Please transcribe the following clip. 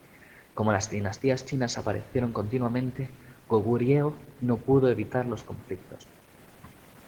Como las dinastías chinas aparecieron continuamente, Goguryeo no pudo evitar los conflictos.